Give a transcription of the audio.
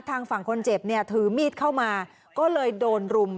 ทางฝั่งคนเจ็บเนี่ยถือมีดเข้ามาก็เลยโดนรุม